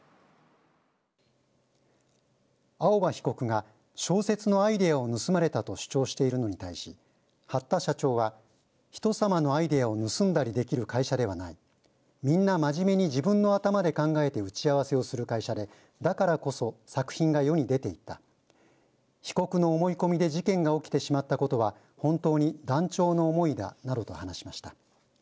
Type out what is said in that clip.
青葉被告が小説のアイデアを盗まれたと主張しているのに対し八田社長は人様のアイデアを盗んだりできる会社ではないみんな真面目に自分の頭で考えて打ち合わせをする会社でだからこそ作品が世に出ていった被告の思い込みで事件が起きてしまったことは本当に断腸の思いだなどと話しました。